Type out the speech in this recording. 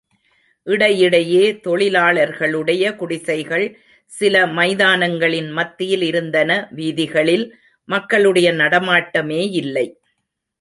இடையிடையே தொழிலாளர்களுடைய குடிசைகள் சில மைதானங்களின் மத்தியில் இருந்தன வீதிகளில் மக்களுடைய நடமாட்டமேயில்லை.